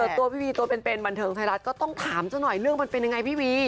ตัวพี่วีตัวเป็นบันเทิงไทยรัฐก็ต้องถามเจ้าหน่อยเรื่องมันเป็นยังไงพี่วี